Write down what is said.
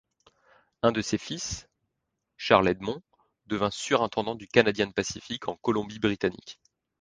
Un de ses fils, Charles-Edmond, devint surintendant du Canadian Pacific en Colombie-Britannique.